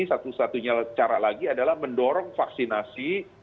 satu satunya cara lagi adalah mendorong vaksinasi